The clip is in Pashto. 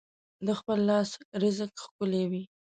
د خپل لاس رزق ښکلی وي.